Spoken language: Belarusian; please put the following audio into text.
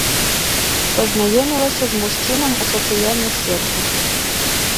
Пазнаёмілася з мужчынам у сацыяльных сетках.